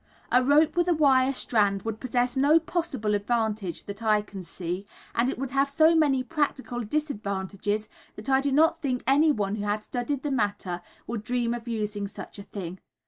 A rope with a wire strand would possess no possible advantage that I can see, and it would have so many practical disadvantages that I do not think anyone who had studied the matter would dream of using such a thing.